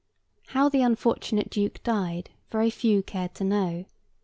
How the unfortunate duke died, very few cared to know.